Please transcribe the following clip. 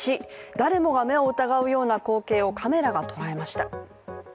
誰もが目を疑うような光景をカメラが捕らえました。